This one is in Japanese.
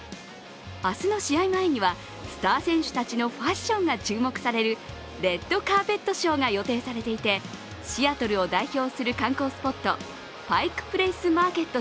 明日の試合前には、スター選手たちのファッションが注目されるレッドカーペットショーが予定されていて、シアトルを代表する観光スポットパイク・プレイス・マーケット